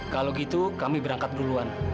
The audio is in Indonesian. kalau gitu kami berangkat duluan